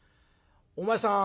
お前さん